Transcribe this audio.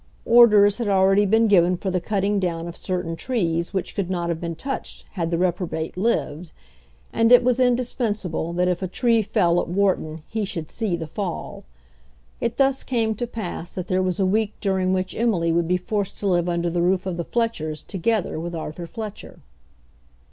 Orders had already been given for the cutting down of certain trees which could not have been touched had the reprobate lived, and it was indispensable that if a tree fell at Wharton he should see the fall. It thus came to pass that there was a week during which Emily would be forced to live under the roof of the Fletchers together with Arthur Fletcher.